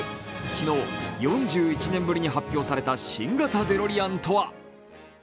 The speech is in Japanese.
昨日、４１年ぶりに発表された新型デロリアンとは。